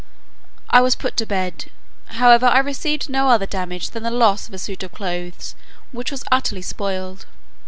I was put to bed: however, I received no other damage than the loss of a suit of clothes, which was utterly spoiled.